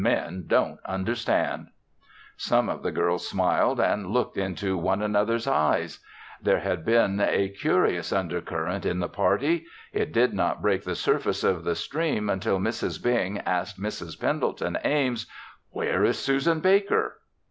Men don't understand." Some of the girls smiled and looked into one another's eyes. There had been a curious undercurrent in the party. It did not break the surface of the stream until Mrs. Bing asked Mrs. Pendleton Ames, "Where is Susan Baker?"